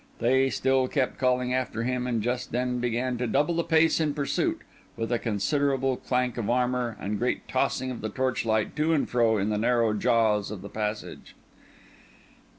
They still kept calling after him, and just then began to double the pace in pursuit, with a considerable clank of armour, and great tossing of the torchlight to and fro in the narrow jaws of the passage.